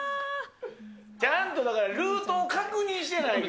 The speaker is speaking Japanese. ちゃんと、だからルートを確認してないから。